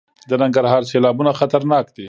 د ننګرهار سیلابونه خطرناک دي؟